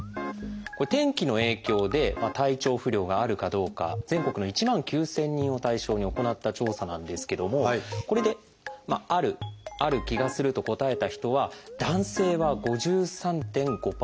天気の影響で体調不良があるかどうか全国の１万９，０００人を対象に行った調査なんですけどもこれで「ある」「ある気がする」と答えた人は男性は５３．５％。